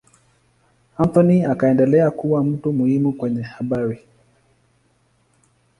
Anthony akaendelea kuwa mtu muhimu kwenye habari.